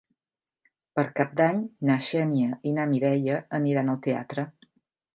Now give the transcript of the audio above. Per Cap d'Any na Xènia i na Mireia aniran al teatre.